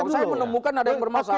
tapi saya menemukan ada yang bermasalah